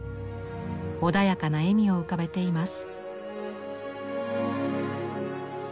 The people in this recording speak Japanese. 穏やかな笑みを浮かべています。